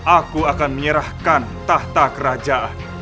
aku akan menyerahkan tahta kerajaan